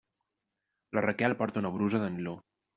La Raquel porta una brusa de niló.